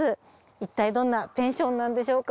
いったいどんなペンションなんでしょうか？